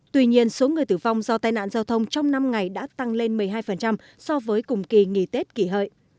tuy nhiên số người tử vong do tai nạn giao thông trong năm ngày đã tăng lên một mươi hai so với cùng kỳ nghỉ tết kỷ hợi